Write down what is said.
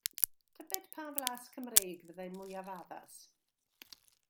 Tybed pa flas Cymreig fyddai mwyaf addas?